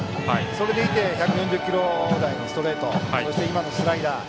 それでいて１４０キロ台のストレートそして、スライダー。